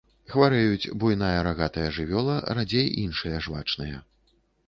Хварэюць буйная рагатая жывёла, радзей іншыя жвачныя.